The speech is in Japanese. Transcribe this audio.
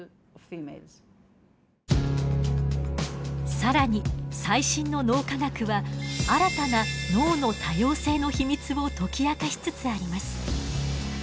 更に最新の脳科学は新たな脳の多様性の秘密を解き明かしつつあります。